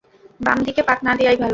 বাম দিকে পাক না দেয়াই ভালো।